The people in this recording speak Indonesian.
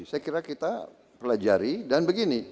saya kira kita pelajari dan begini